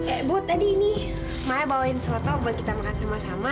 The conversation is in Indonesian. eh bu tadi ini maya bawain soto buat kita makan sama sama